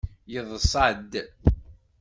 Yeḍṣa-d.